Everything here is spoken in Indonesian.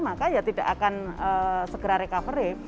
maka ya tidak akan segera recovery